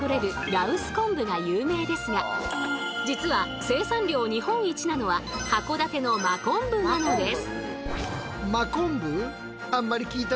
羅臼昆布が有名ですが実は生産量日本一なのは函館の真昆布なのです。